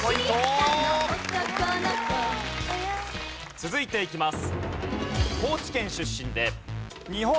続いていきます。